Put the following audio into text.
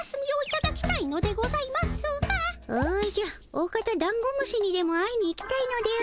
おおかたダンゴムシにでも会いに行きたいのであろ？